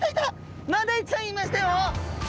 マダイちゃんいましたよ！